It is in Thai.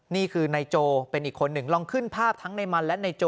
นี่คือนายโจเป็นอีกคนหนึ่งลองขึ้นภาพทั้งในมันและนายโจ